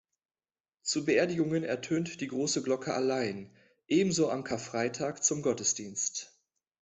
Zu Beerdigungen ertönt die große Glocke allein, ebenso am Karfreitag zum Gottesdienst.